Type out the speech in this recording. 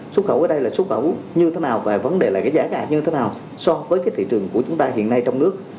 xuất khẩu ở đây là xuất khẩu như thế nào về vấn đề là cái giá cả như thế nào so với cái thị trường của chúng ta hiện nay trong nước